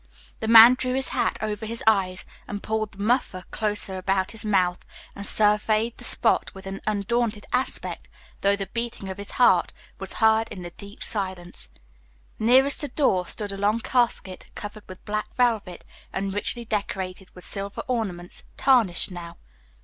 The man drew his hat lower over his eyes, pulled the muffler closer about his mouth, and surveyed the spot with an undaunted aspect, though the beating of his heart was heard in the deep silence. Nearest the door stood a long casket covered with black velvet and richly decorated with silver ornaments, tarnished now.